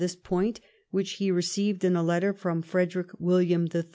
this point which he received in a letter from Frederick \Villiam III.